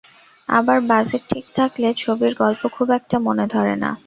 আবার বাজেট ঠিক থাকলে ছবির গল্প খুব একটা মনে ধরে না।